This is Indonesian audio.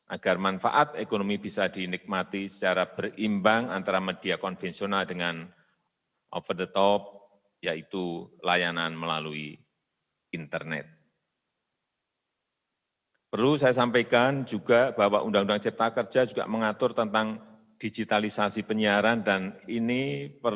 agar manfaat ekonomi bisa dinikmati secara berimbang antara media konvensional dengan over the top